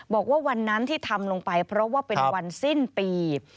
บอกว่าวันนั้นที่ทำลงไปเพราะว่าเป็นวันสิ้นปี